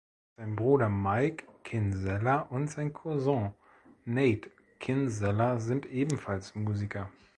Sein Bruder Mike Kinsella und sein Cousin Nate Kinsella sind ebenfalls Musiker.